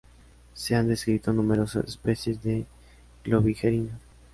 Se han descrito numerosas especies de "Globigerina".